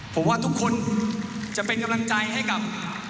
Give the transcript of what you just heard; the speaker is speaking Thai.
ผมว่าทุกคนจะเป็นกำลังใจให้กับ